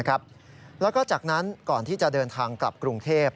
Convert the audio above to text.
แล้วก็จากนั้นก่อนที่จะเดินทางกลับกรุงเทพ